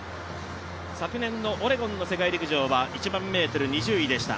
昨年のオレゴンの世界陸上は１００００ｍ、２０位でした。